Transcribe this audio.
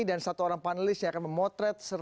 dan satu orang panelis yang akan memotret